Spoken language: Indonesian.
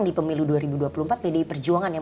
di pemilu dua ribu dua puluh empat pdi perjuangan yang